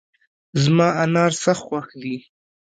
زما انار سخت خوښ دي